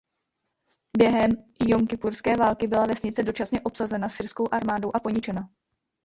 Během Jomkipurské války byla vesnice dočasně obsazena syrskou armádou a poničena.